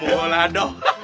ya boleh doh